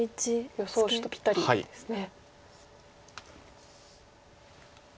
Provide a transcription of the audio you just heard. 予想手とぴったりですね。